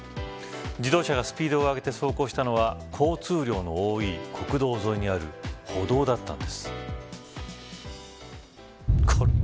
自動車がスピードを上げて走行したのは交通量の多い国道沿いにある歩道だったんです。